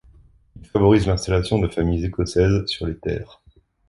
Il favorise l'installation de familles écossaises sur les terres.